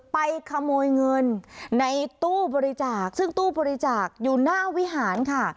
ไปขโมยเงินในตู้บริจาคซึ่งตู้บริจาคอยู่หน้าวิหารค่ะ